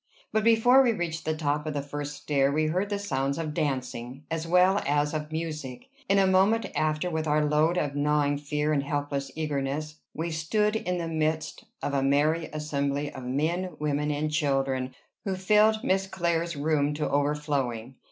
But before we reached the top of the first stair we heard the sounds of dancing, as well as of music. In a moment after, with our load of gnawing fear and helpless eagerness, we stood in the midst of a merry assembly of men, women, and children, who filled Miss Clare's room to overflowing.